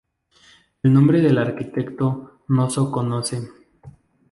El nombre del arquitecto no so conoce.